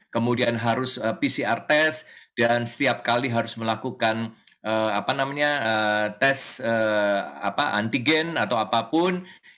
kemudian harus pcr test dan setiap kali harus melakukan tes antigen atau apapun